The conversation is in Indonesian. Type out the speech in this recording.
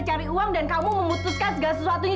cari uang dan kamu memutuskan segala sesuatunya